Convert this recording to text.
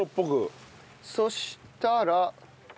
そしたら。